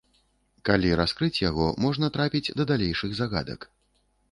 Калі раскрыць яго, можна трапіць да далейшых загадак.